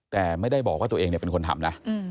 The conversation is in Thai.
แต่ไม่ได้บอกว่าตัวเองเป็นคนทำนะ